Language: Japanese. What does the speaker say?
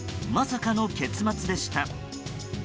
まさかの結末でした。